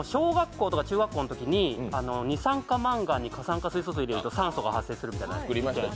小学校とか中学校のときに二酸化マンガンに過酸化水素を入れると酸素ができるみたいな。